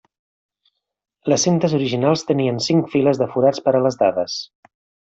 Les cintes originals tenien cinc files de forats per a les dades.